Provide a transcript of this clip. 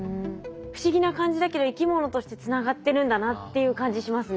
不思議な感じだけど生き物としてつながってるんだなっていう感じしますね。